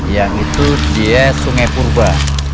yang itu dia sungai purba